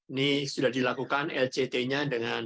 ini sudah dilakukan lct nya dengan